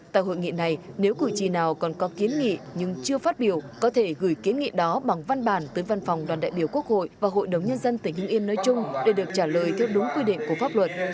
tại hội nghị này nếu cử tri nào còn có kiến nghị nhưng chưa phát biểu có thể gửi kiến nghị đó bằng văn bản tới văn phòng đoàn đại biểu quốc hội và hội đồng nhân dân tỉnh hưng yên nói chung để được trả lời theo đúng quy định của pháp luật